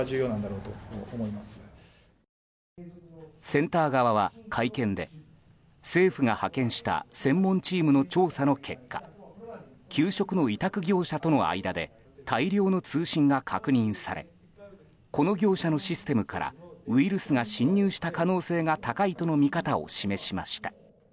センター側は会見で政府が派遣した専門チームの調査の結果給食の委託業者との間で大量の通信が確認されこの業者のシステムからウイルスが侵入した可能性が高いとの見方を示しました。